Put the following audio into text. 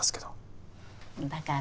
だから。